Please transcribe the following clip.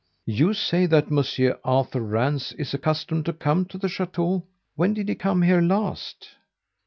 "You say that Monsieur Arthur Rance is accustomed to come to the chateau. When did he come here last?"